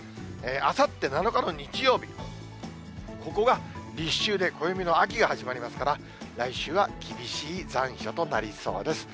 あさって７日の日曜日、ここが立秋で暦の秋が始まりますから、来週は厳しい残暑となりそうです。